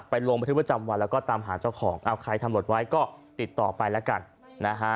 ลงบันทึกประจำวันแล้วก็ตามหาเจ้าของเอาใครทำหลดไว้ก็ติดต่อไปแล้วกันนะฮะ